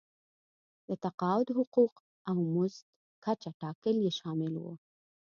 د تقاعد حقوق او د مزد کچه ټاکل یې شامل وو.